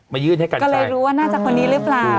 ยื่นให้กันก็เลยรู้ว่าน่าจะคนนี้หรือเปล่า